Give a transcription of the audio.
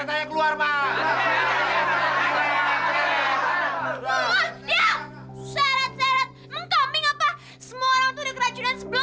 ada pak rt ada pak rt